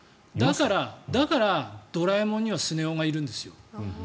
だから、「ドラえもん」にはスネ夫がいるんですよ。